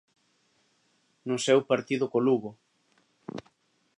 No seu partido co Lugo.